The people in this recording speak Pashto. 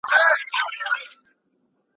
چي په خاص ډول د پښتو ادبیاتو په تاریخ کي.